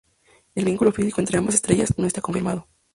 El vínculo físico entre ambas estrellas no está confirmado.